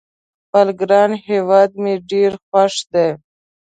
خپل ګران هیواد مې ډېر خوښ ده